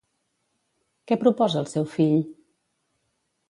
Què proposa el seu fill?